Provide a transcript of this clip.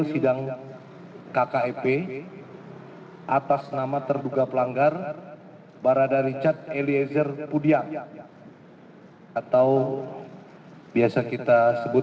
sidang kkep atas nama terduga pelanggar barada richard eliezer pudia atau biasa kita sebut